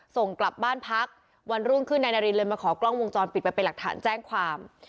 ส่งกลับบ้านพักวันรุ่งขึ้นนายนารินเลยมาขอกล้องวงจรปิดไปเป็นหลักฐานแจ้งความ